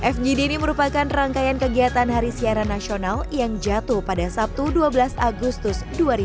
fgd ini merupakan rangkaian kegiatan hari siaran nasional yang jatuh pada sabtu dua belas agustus dua ribu dua puluh